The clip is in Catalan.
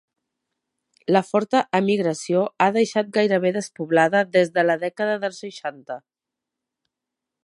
La forta emigració ha deixat gairebé despoblada des de la dècada dels seixanta.